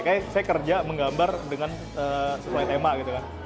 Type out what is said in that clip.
kayaknya saya kerja menggambar dengan sesuai tema gitu kan